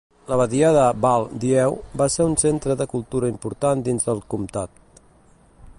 L'abadia de Val-Dieu va ser un centre de cultura important dins del comtat.